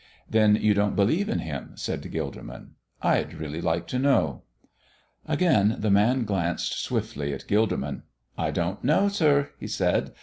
"Then you don't believe in Him?" said Gilderman. "I'd really like to know." Again the man glanced swiftly at Gilderman. "I don't know, sir," he said.